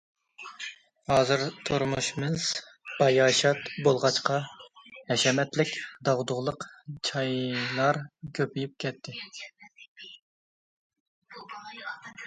ھازىر تۇرمۇشىمىز باياشات بولغاچقا، ھەشەمەتلىك، داغدۇغىلىق چايلار كۆپىيىپ كەتتى.